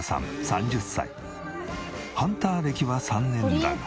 ハンター歴は３年だが。